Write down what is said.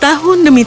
tahun demi tahun